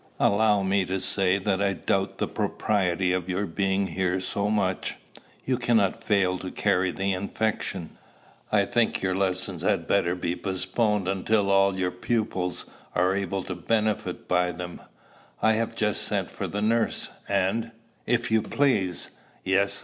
"Allow me to say that I doubt the propriety of your being here so much. You cannot fail to carry the infection. I think your lessons had better be postponed until all your pupils are able to benefit by them. I have just sent for the nurse; and, if you please" "Yes.